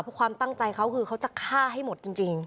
เพราะความตั้งใจเขาคือเขาจะฆ่าให้หมดจริง